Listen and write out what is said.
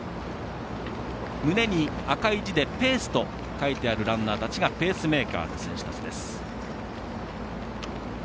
胸に赤い字で「ペース」と書いてあるランナーたちがペースメーカーの選手たちです。